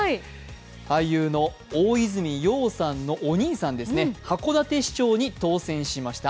俳優の大泉洋さんのお兄さんですね、函館市長に当選しました。